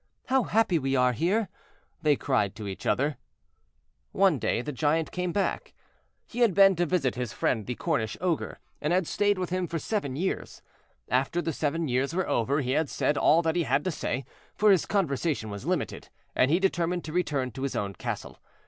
"How happy we are here!" they cried to each other. [Picture: Decorative graphic of children in garden] One day the Giant came back. He had been to visit his friend the Cornish ogre, and had stayed with him for seven years. After the seven years were over he had said all that he had to say, for his conversation was limited, and he determined to return to his own castle.